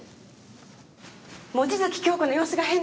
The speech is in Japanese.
望月京子の様子が変なんです。